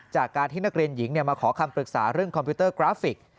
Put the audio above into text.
จากการที่นักเรียนหญิงมาขอคำปรึกษาเรื่องคอมพิวเตอร์กราฟิก